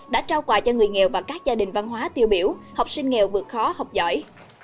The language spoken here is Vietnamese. đã trao quà cho người nghèo và các gia đình văn hóa tiêu biểu học sinh nghèo vượt khó học giỏi